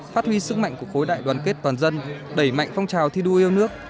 phát huy sức mạnh của khối đại đoàn kết toàn dân đẩy mạnh phong trào thi đua yêu nước